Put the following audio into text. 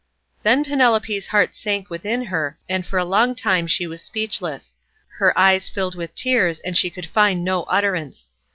Then Penelope's heart sank within her, and for a long time she was speechless; her eyes filled with tears, and she could find no utterance.